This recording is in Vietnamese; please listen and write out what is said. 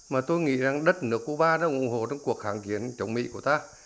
mà tôi nghĩ rằng đất nước cuba đã ủng hộ trong cuộc hạng kiến chống mỹ của ta